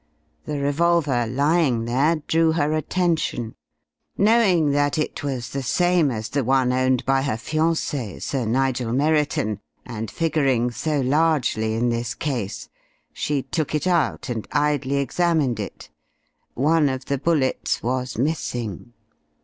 The revolver lying there drew her attention. Knowing that it was the same as the one owned by her fiance, Sir Nigel Merriton, and figuring so largely in this case, she took it out and idly examined it. One of the bullets was missing!